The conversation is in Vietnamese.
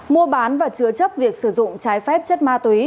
mua bán và chứa chấp việc sử dụng trái phép chất ma túy